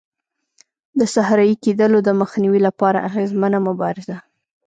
د صحرایې کېدلو د مخنیوي لپاره اغېزمنه مبارزه.